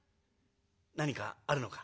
「何かあるのか？」。